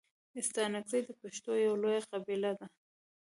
ستانگزي د پښتنو یو لويه قبیله ده.